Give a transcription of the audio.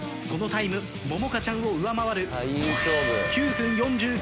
そのタイムももかちゃんを上回る。